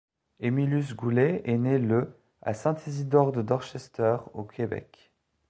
Émilus Goulet est né le à Saint-Isidore de Dorchester au Québec.